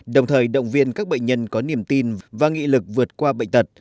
đồng thời động viên các bệnh nhân có niềm tin và nghị lực vượt qua bệnh tật